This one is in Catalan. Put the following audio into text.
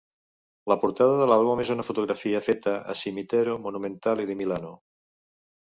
La portada de l'àlbum és una fotografia feta a Cimitero Monumentale di Milano.